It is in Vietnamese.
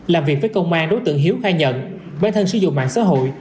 làm việc với công an đối tượng hiếu khai nhận bản thân sử dụng mạng xã hội